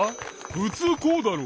ふつうこうだろ！